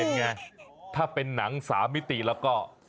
เป็นไงถ้าเป็นหนัง๓มิติแล้วก็